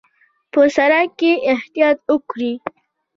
په سړک کې احتیاط وکړئ